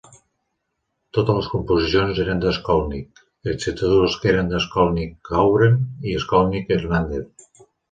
Totes les composicions eren de Skolnick, excepte dues que eren de Skolnick-Joubran i Skolnick-Hernandez.